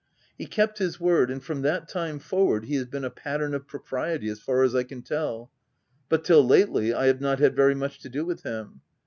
He kept his word ; and from that time forward, he has been a pattern of propriety, as far as I can tell ; but, till lately, I have not had very much to do with him.